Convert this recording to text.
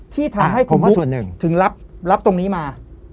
ที่ทำให้คุณบุ๊กถึงรับตรงนี้มา